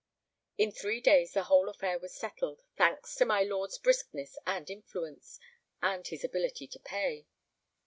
In three days the whole affair was settled, thanks to my lord's briskness and influence—and his ability to pay.